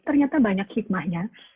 ternyata banyak hikmahnya